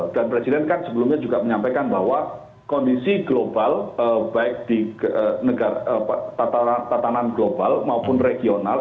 dan presiden kan sebelumnya juga menyampaikan bahwa kondisi global baik di tatanan global maupun regional